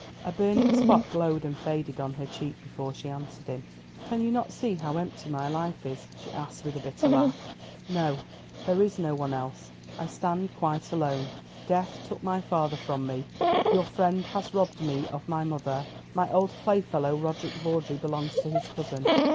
A burning spot glowed and faded on her cheek before she answered him. "Can you not see how empty my life is?" she asked with a bitter laugh. "No; there is no one else. I stand quite alone. Death took my father from me; your friend has robbed me of my mother. My old playfellow, Roderick Vawdrey, belongs to his cousin.